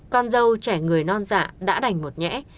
con dâu trẻ người non dạ đã đành một nhẽ